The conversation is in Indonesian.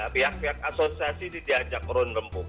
pihak pihak asosiasi ini diajak orang orang